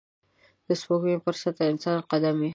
د سپوږمۍ پر سطحه انسان قدم ایښی